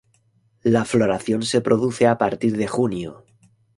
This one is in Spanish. La floración se produce a partir de junio.